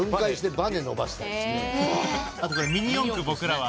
あとミニ四駆僕らは。